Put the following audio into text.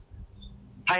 はい。